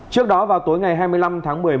trước đó vào tối ngày hai mươi năm tháng một mươi một